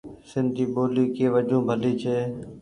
سندي ٻولي ڪي وجون ڀلي ڇي۔